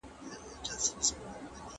ټولنه بې اخلاقو نه پاتېږي.